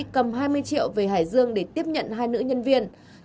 cầm hai mươi triệu về hải dương để tiếp nhận hai nữ nhân viên